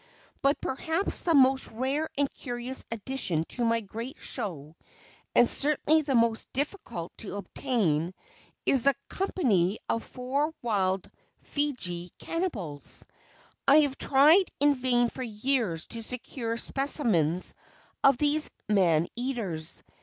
But perhaps the most rare and curious addition to my great show, and certainly the most difficult to obtain, is a company of four wild FIJI CANNIBALS! I have tried in vain for years to secure specimens of these "man eaters."